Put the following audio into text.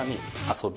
遊び。